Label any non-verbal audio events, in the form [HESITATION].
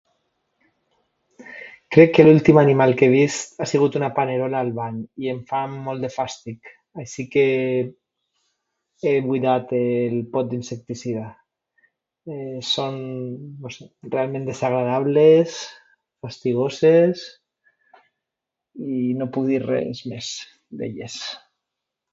Crec que l'últim animal que he vist ha sigut una panerola al bany i em fan molt de fàstic, així que he buidat el pot d'insecticida. [HESITATION] Són, no sé, realment desagradables, fastigoses, i no puc dir res més d'elles.